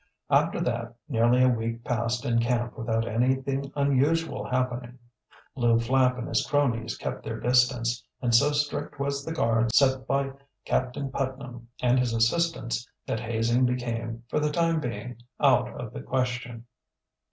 After that nearly a week passed in camp without anything unusual happening. Lew Flapp and his cronies kept their distance, and so strict was the guard set by Captain Putnam and his assistants that hazing became, for the time being, out of the question.